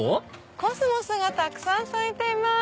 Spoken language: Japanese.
コスモスがたくさん咲いてます。